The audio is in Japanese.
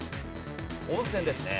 温泉ですね。